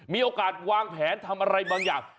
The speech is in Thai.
มีโอกาสวางแผนทำอะไรบางอย่าง